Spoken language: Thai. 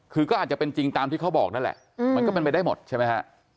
คือก็อาจจะเป็นจริงตามที่เขาบอกนั่นแหละมันก็เป็นไปได้หมดใช่ไหมฮะ